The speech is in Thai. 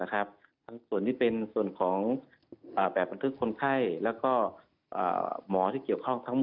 ทั้งส่วนที่เป็นส่วนของ